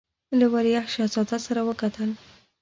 له ولیعهد شهزاده سره وکتل.